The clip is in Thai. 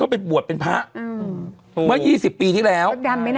เมื่อ๒๐ปีที่แล้ว